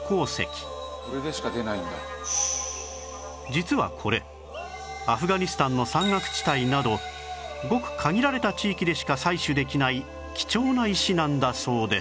実はこれアフガニスタンの山岳地帯などごく限られた地域でしか採取できない貴重な石なんだそうで